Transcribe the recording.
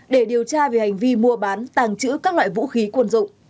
để điều tra về hành vi mua bán tàng trữ các loại vũ khí quân dụng